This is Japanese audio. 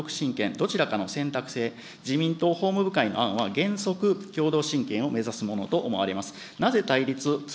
どちらかの選択制、自民党法務部会の案は、原則共同親権を目指すものと思われます。